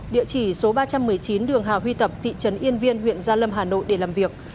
địa chỉ số ba trăm một mươi chín đường hào huy tập thị trấn yên viên huyện gia lâm hà nội để làm việc